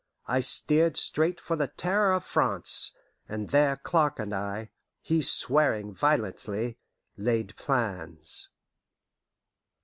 I steered straight for the Terror of France, and there Clark and I, he swearing violently, laid plans.